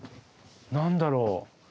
何だろう？